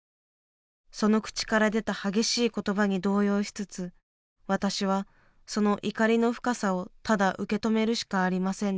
その口から出た激しい言葉に動揺しつつ私はその怒りの深さをただ受け止めるしかありませんでした。